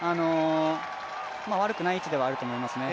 悪くない位置ではあると思いますね。